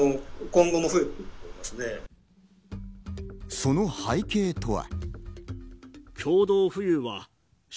その背景とは。